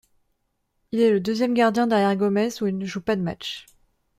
Il est le deuxième gardien derrière Gomes, où il ne joue pas de match.